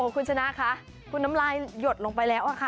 คุณชนะคะคุณน้ำลายหยดลงไปแล้วค่ะ